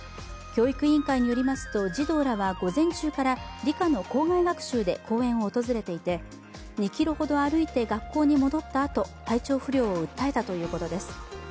教育委員会によりますと児童らは午前中から理科の校外学習で公園を訪れていて、２ｋｍほど歩いて学校に戻ったあと体調不良を訴えたということです。